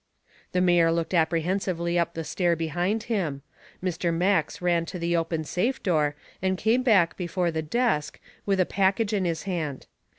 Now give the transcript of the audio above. The mayor looked apprehensively up the stair behind him; Mr. Max ran to the open safe door and came back before the desk with a package in his hand.